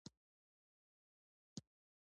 قلم د زده کوونکو خوی ښکاره کوي